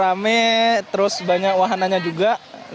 rame terus banyak wahananya juga